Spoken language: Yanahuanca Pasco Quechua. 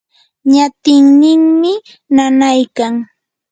ñatinninmi nanaykan.